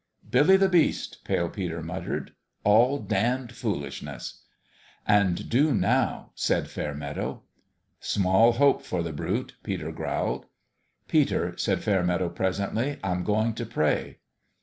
" Billy the Beast !" Pale Peter muttered. " All damned foolishness !"" And due now," said Fairmeadow. "Small hope for the brute !" Peter growled. " Peter," said Fairmeadow, presently, " I'm going to pray."